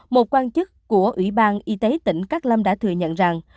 một quan chức của ủy ban y tế tỉnh cát lâm đã thừa nhận rằng